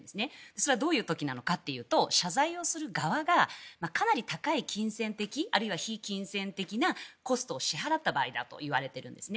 それはどういう時なのかというと謝罪をする側が高い金銭的、あるいは非金銭的なコストを支払った場合だといわれているんですね。